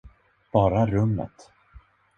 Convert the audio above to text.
Bara rummet.